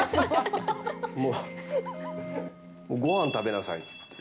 もう、ごはん食べなさいって。